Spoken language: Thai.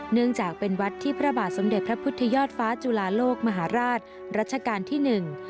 เนื่องจากเป็นวัดที่พระบาทสมเด็จพระพุทธยอดฟ้าจุลาโลกมหาราชรัชกาลที่หนึ่ง